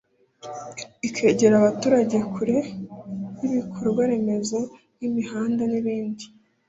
ikegera abaturage kure y’ibikorwaremezo nk’imihanda n’ibindi